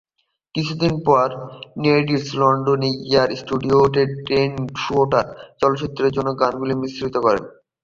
কিছুদিন পর নেভিসন লন্ডনের এয়ার স্টুডিওতে "স্ট্রেইট শুটার" চলচ্চিত্রের জন্য গানগুলি মিশ্রিত করেন।